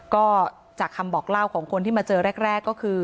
ก็จากคำบอกเล่าของคนที่มาเจอแรกก็คือ